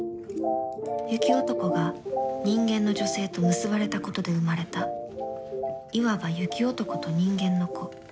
「雪男」が人間の女性と結ばれたことで生まれたいわば「雪男と人間の子」